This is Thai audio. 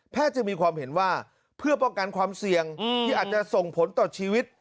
จะมีความเห็นว่าเพื่อป้องกันความเสี่ยงที่อาจจะส่งผลต่อชีวิต